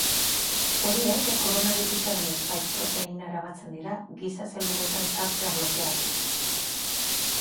Horiek koronabirusaren spike proteinara batzen dira giza zeluletan sartzea blokeatuz.